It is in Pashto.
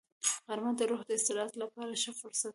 غرمه د روح د استراحت لپاره ښه فرصت دی